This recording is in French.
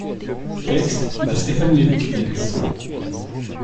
Texte de Stéphan Lévy-Kuentz.